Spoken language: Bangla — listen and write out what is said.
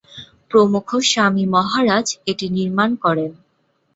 প্রমুখ স্বামী মহারাজ এটি নির্মাণ করান।